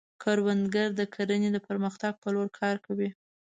کروندګر د کرنې د پرمختګ په لور کار کوي